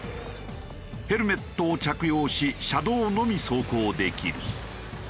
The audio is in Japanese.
ヘルメットを着用し車道のみ走行できる。